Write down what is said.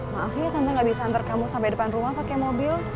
maaf ya tante gak bisa antar kamu sampai depan rumah pakai mobil